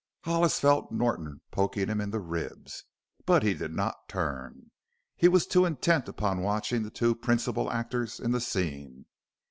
Hollis felt Norton poking him in the ribs, but he did not turn; he was too intent upon watching the two principal actors in the scene.